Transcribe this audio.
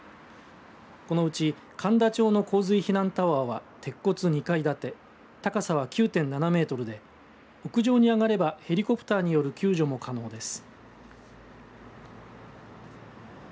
このうち神田町の洪水避難タワーは鉄骨２階建て高さは９．７メートルで屋上に上がればヘリコプターによる救助も可能です。